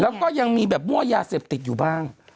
แล้วก็ยังมีแบบมั่วยาเสพติดอยู่บ้าง